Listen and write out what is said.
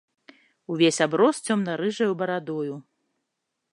Увесь аброс цёмна-рыжаю барадою.